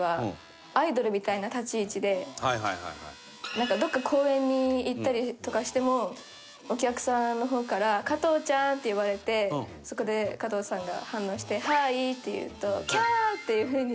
なんかどこか公演に行ったりとかしてもお客さんの方から「加藤ちゃーん」って呼ばれてそこで加藤さんが反応して「はーい」って言うと「キャー！！」っていう風に。